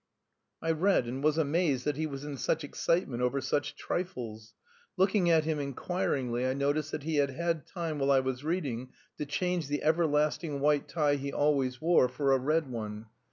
I read and was amazed that he was in such excitement over such trifles. Looking at him inquiringly, I noticed that he had had time while I was reading to change the everlasting white tie he always wore, for a red one.